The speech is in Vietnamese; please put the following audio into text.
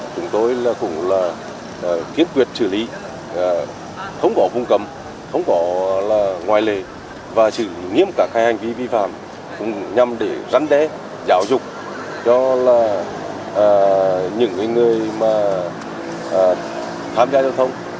chúng tôi cũng kiên quyết xử lý thống bỏ vùng cầm thống bỏ ngoài lề và xử nghiêm cả hai hành vi vi phạm nhằm để rắn đé giáo dục cho những người tham gia giao thông